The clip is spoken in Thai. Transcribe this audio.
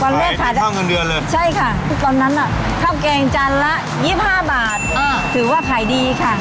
วันแรกขายได้ใช่ค่ะตอนนั้นอ่ะเข้าแกงจันทร์ละ๒๕บาทถือว่าขายดีค่ะ